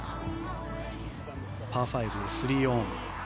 パー５の３オン。